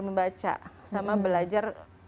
membaca sama belajar